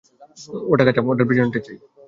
ওটা কাঁচা, ওটার পেছনেরটা চাই।